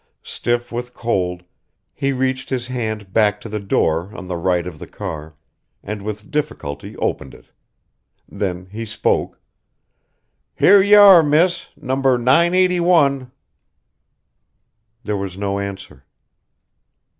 Stiff with cold, he reached his hand back to the door on the right of the car, and with difficulty opened it. Then he spoke: "Here y'are, miss No. 981!" There was no answer.